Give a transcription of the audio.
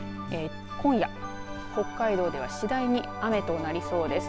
今夜、北海道では次第に雨となりそうです。